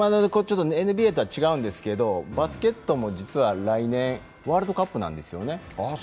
ＮＢＡとは違うんですけど、バスケットも実は来年ワールドカップなんですよね。